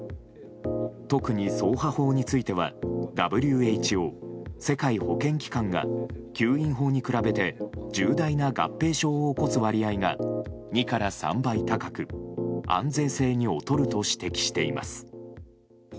特に掻爬法についてはＷＨＯ・世界保健機関が吸引法に比べて重大な合併症を起こす割合が２から３倍高く、安全性に劣ると指摘しています。